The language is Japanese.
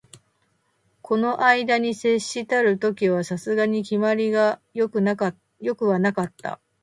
この問に接したる時は、さすがに決まりが善くはなかった